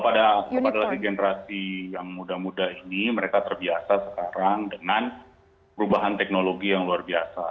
saya rasa kalau pada generasi yang muda muda ini mereka terbiasa sekarang dengan perubahan teknologi yang luar biasa